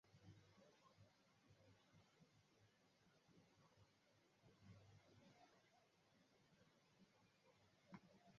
Harufu mbaya kutoka kwa vidonda